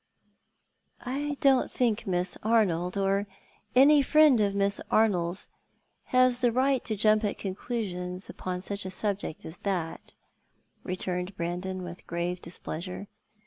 " I don't think Miss Arnold — or any friend of Miss Arnold's — has the right to jump at conclusions upon such a subject as that," returned Brandon, with grave displeasure.